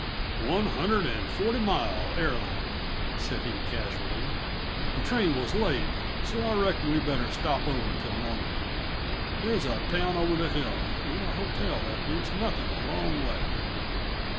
"One hundred and forty miles, air line," said he casually. "The train was late, so I reckon we better stop over till morning. There's a town over the hill, and a hotel that beats nothing a long way."